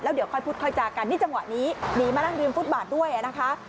เดี๋ยวค่อยพูดค่อยจากันนี่จังหวะนี้หนีมานั่งริมฟุตบาทด้วยนะคะ